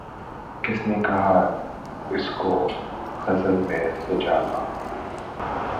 کس نے کہا کہ اس کو غزل میں سجا لا